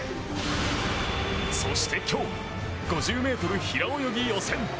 そして、今日５０ｍ平泳ぎ予選。